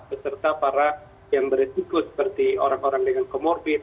beserta para yang beresiko seperti orang orang dengan comorbid